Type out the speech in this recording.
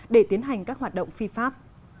để tiến hành các hoạt động phi pháp